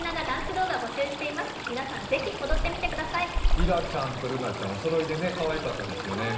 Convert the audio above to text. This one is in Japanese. りらちゃんとるなちゃん、おそろいでかわいかったですね。